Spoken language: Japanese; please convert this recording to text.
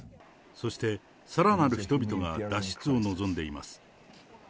そしてさらなる人々が脱出を望んでいます。